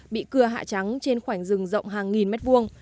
bị cưa hạ trắng trên khoảnh rừng rộng hàng nghìn mét vuông